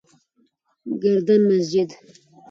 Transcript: گردن مسجد: